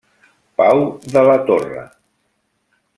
Pau de la Torre.